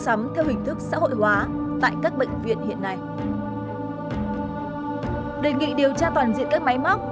sắm theo hình thức xã hội hóa tại các bệnh viện hiện nay đề nghị điều tra toàn diện các máy móc